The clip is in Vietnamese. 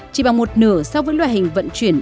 chỉ bằng một nửa so với loại hình vận chuyển